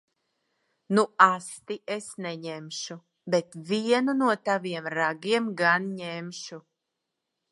Nu asti es neņemšu. Bet vienu no taviem ragiem gan ņemšu.